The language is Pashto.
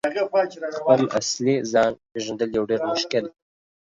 » خپل اصلي ځان « پیژندل یو ډیر مشکل